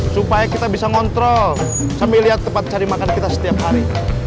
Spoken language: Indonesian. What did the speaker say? supaya kita bisa ngontrol sambil lihat tempat cari makan kita setiap hari